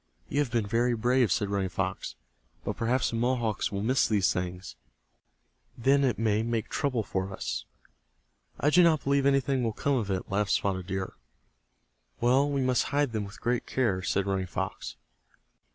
"You have been very brave," said Running Fox. "But perhaps the Mohawks will miss these things. Then it may make trouble for us." "I do not believe anything will come of it," laughed Spotted Deer. "Well, we must hide them with great care," said Running Fox.